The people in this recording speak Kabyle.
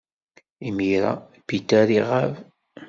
Imir-a, Peter iɣab.